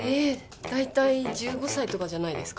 大体１５歳とかじゃないですか？